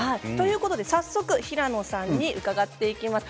早速、平野さんに伺っていきます。